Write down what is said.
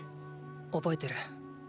覚えてる。